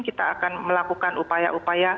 kita akan melakukan upaya upaya